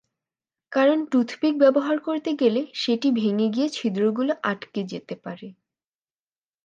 কারণ টুথপিক ব্যবহার করতে গেলে সেটি ভেঙে গিয়ে ছিদ্রগুলো আটকে যেতে পারে।